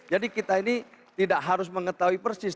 jadi kita ini tidak harus mengetahui persis